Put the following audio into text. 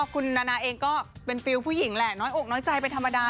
คุณนานาเองก็เป็นฟิลล์ผู้หญิงแหละน้อยอกน้อยใจไปธรรมดา